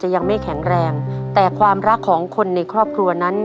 ยังไม่แข็งแรงแต่ความรักของคนในครอบครัวนั้น